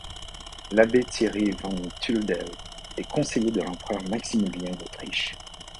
L'abbé Thierry van Tuldel est conseiller de l'empereur Maximilien d'Autriche.